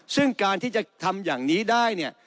ซึ่งการที่จะทำอย่างนี้ได้เนี่ย